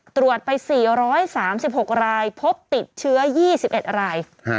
ตรวจไป๔๓๖รายพบติดเชื้อ๒๑ราย